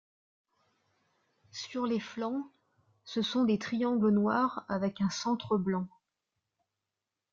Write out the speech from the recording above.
Sur les flancs ce sont des triangles noirs avec un centre blanc.